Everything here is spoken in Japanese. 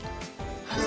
はい。